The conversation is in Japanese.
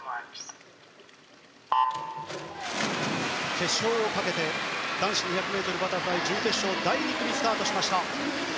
決勝をかけて男子２００ｍバタフライ準決勝第２組がスタートしました。